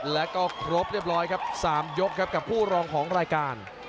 แล้วก็ครบเรียบร้อยครับ๓ยกครับกับคู่รองของรายการ